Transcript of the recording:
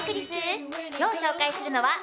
今日紹介するのはこちら。